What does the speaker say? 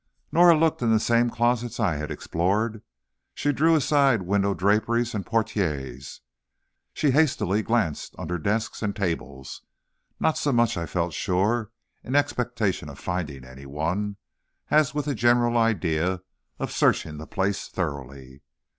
Norah looked in the same closets I had explored; she drew aside window draperies and portières, she hastily glanced under desks and tables, not so much, I felt sure, in expectation of finding anyone, as with a general idea of searching the place thoroughly.